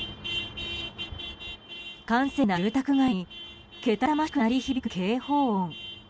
閑静な住宅街にけたたましく鳴り響く警報音。